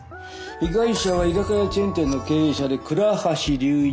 被害者は居酒屋チェーン店の経営者で倉橋龍一郎５１歳。